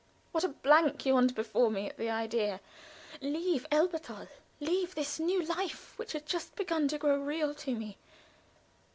What a blank yawned before me at the idea! Leave Elberthal leave this new life which had just begun to grow real to me!